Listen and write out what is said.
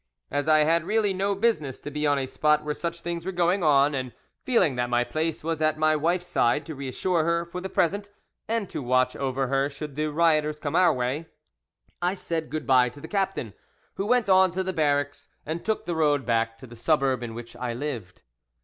As I had really no business to be on a spot where such things were going on, and feeling that my place was at my wife's side, to reassure her for the present and to watch over her should the rioters come our way, I said good bye to the captain, who went on to the barracks, and took the road back to the suburb in which I lived.